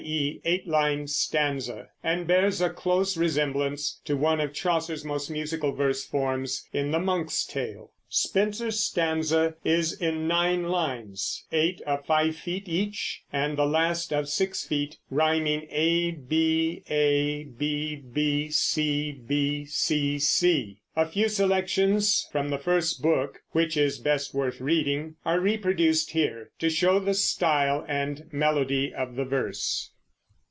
e. eight line stanza) and bears a close resemblance to one of Chaucer's most musical verse forms in the "Monk's Tale." Spenser's stanza is in nine lines, eight of five feet each and the last of six feet, riming ababbcbcc. A few selections from the first book, which is best worth reading, are reproduced here to show the style and melody of the verse.